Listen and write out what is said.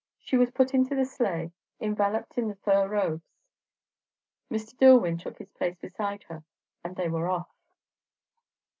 She was put into the sleigh, enveloped in the fur robes; Mr. Dillwyn took his place beside her, and they were off.